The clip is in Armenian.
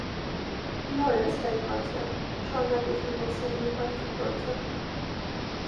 - Նո՞ր ես վեր կացել,- շարունակեց Մինասյանն իր հարցուփորձը: